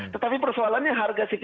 tetapi persoalannya harga cto lagi bagus